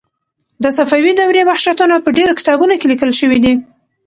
د صفوي دورې وحشتونه په ډېرو کتابونو کې لیکل شوي دي.